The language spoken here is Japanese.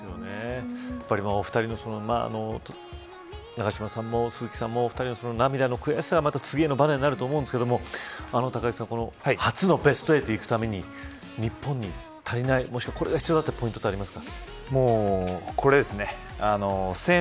お二人の永島さんも鈴木さんもお二人の涙なの悔しさは、次のばねになると思うんですけど隆行さん初のベスト８にいくために日本に足りないもしくは、これが必要だというポイントありますか。